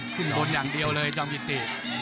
ขึ้นบนอย่างเดียวเลยจอมกิติ